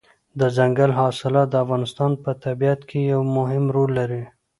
دځنګل حاصلات د افغانستان په طبیعت کې یو مهم رول لري.